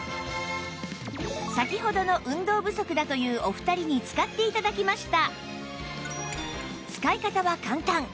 先ほどの運動不足だというお二人に使って頂きました